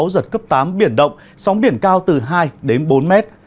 giật cấp tám biển động sóng biển cao từ hai đến bốn mét